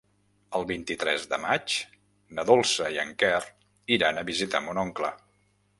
El vint-i-tres de maig na Dolça i en Quer iran a visitar mon oncle.